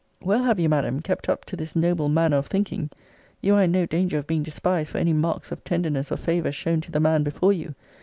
Well have you, Madam, kept up to this noble manner of thinking. You are in no danger of being despised for any marks of tenderness or favour shown to the man before you.